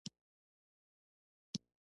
غرمه د ساده خوښیو وخت دی